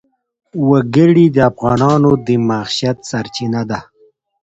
وګړي د افغانانو د معیشت سرچینه ده.